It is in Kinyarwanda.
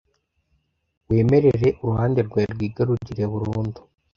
wemerere uruhande rwawe rwigarurire burundu.